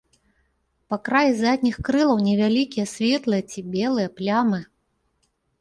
Па краі задніх крылаў невялікія светлыя ці белыя плямы.